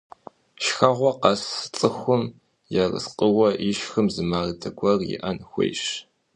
Шхэгъуэ къэс цӀыхум ерыскъыуэ ишхым зы мардэ гуэр иӀэн хуейщ.